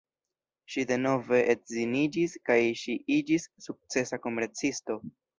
Ŝi denove edziniĝis kaj ŝi iĝis sukcesa komercisto.